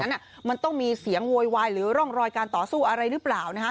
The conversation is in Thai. นั้นมันต้องมีเสียงโวยวายหรือร่องรอยการต่อสู้อะไรหรือเปล่า